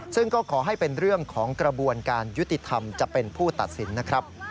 ซึ่งก็ขอให้เป็นเรื่องของกระบวนการยุติธรรมจะเป็นผู้ตัดสินนะครับ